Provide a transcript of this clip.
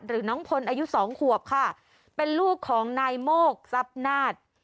หรือน้องพลอายุสองขวบค่ะเป็นลูกของนายโมกทรัพย์นาศ